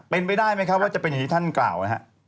เป็นไปได้ไหมครับว่าจะเป็นอย่างที่ท่านกล่าวนะครับ